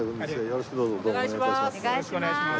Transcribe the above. よろしくどうぞお願い致します。